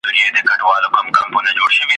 د خزان پر لمن پروت یم له بهار سره مي ژوند دی `